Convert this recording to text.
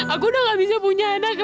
aku udah gak suci lagi